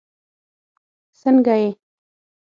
سنګه یی